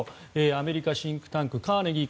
アメリカシンクタンクカーネギー